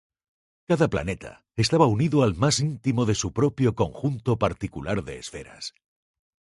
Cada planeta estaba unido al más íntimo de su propio conjunto particular de esferas.